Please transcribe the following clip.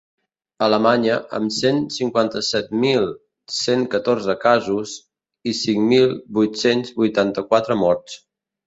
Alemanya, amb cent cinquanta-set mil cent catorze casos i cinc mil vuit-cents vuitanta-quatre morts.